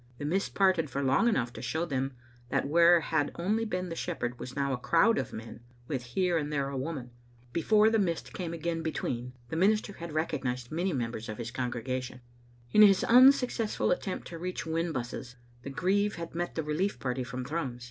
The mist parted for long enough to show them that where had only been the shepherd was now a crowd of men, with here and there a woman. Before the mist again came between the minister had recog nized many members of his congregation. In his unsuccessful attempt to reach Whinbusses, the grieve had met the relief party from Thrums.